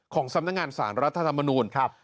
ของสำนักงานสารรัฐธรรมนูลครับ